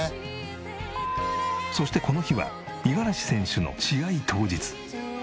そしてこの日は五十嵐選手の試合当日。